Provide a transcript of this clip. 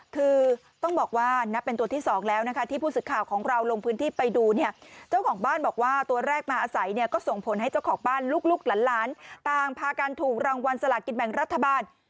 คือต้องบอกว่านับเป็นตัวที่สองแล้วนะคะที่ผู้สื่อข่าวของเราลงพื้นที่ไปดูเนี่ยเจ้าของบ้านบอกว่าตัวแรกมาอาศัยเนี่ยก็ส่งผลให้เจ้าของบ้านลูกหลานต่างพากันถูกรางวัลสลากินแบ่งรัฐบาล